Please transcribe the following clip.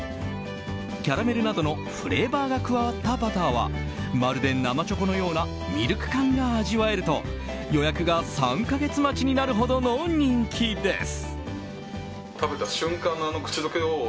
キャラメルなどのフレーバーが加わったバターはまるで生チョコのようなミルク感が味わえると予約が３か月待ちになるほどの人気です。